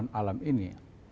masalah alam ini